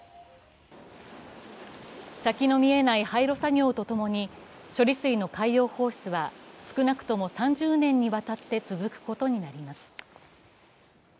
先の見えない廃炉作業とともに処理水の海洋放出は少なくとも３０年にわたって続くことになります。